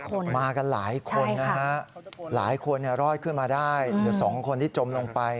คนมากันหลายคนนะฮะหลายคนรอดขึ้นมาได้เหลือสองคนที่จมลงไป